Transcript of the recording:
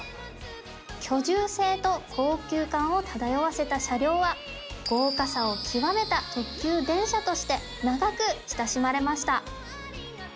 居住性と高級感を漂わせた車両は豪華さを極めた特急電車として長く親しまれました。